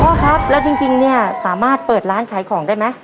พ่อครับแล้วจริงเนี่ยสามารถเปิดร้านขายของได้ไหม